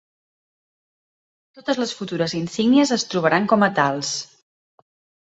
Totes les futures insígnies es trobaran com a tals.